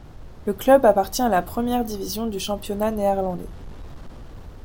Le club appartient à la première division du championnat néerlandais.